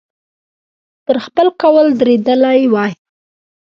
پر خپل قول درېدلی وای.